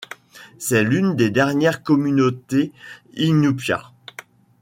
C'est l'une des dernières communautés Iñupiat.